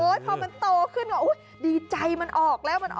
อุ้ยพอมันโตขึ้นก็ให้ดีใจมันออกแล้ว